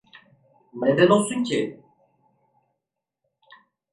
Neden olsun ki?